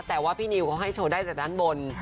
แต่ว่าพี่นิวเขาให้โชว์ได้จากด้านบน